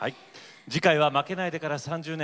次回は「負けないで」から３０年。